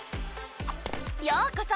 ようこそ！